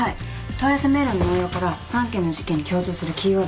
問い合わせメールの内容から３件の事件に共通するキーワードが４つ。